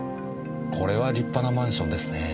これは立派なマンションですねぇ。